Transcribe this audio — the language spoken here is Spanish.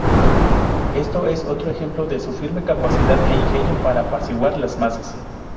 Esto es otro ejemplo de su firme capacidad e ingenio para apaciguar las masas.